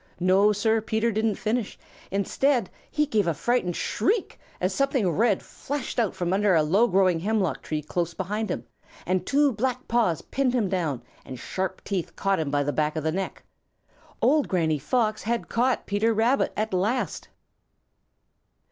No, Sir, Peter didn't finish. Instead, he gave a frightened shriek as something red flashed out from under a low growing hemlock tree close behind him, and two black paws pinned him down, and sharp teeth caught him by the back of the neck. Old Granny Fox had caught Peter Rabbit at last!